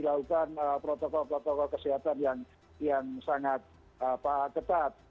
ini adalah protokol protokol kesehatan yang sangat ketat